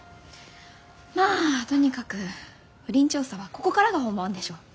まあとにかく不倫調査はここからが本番でしょ。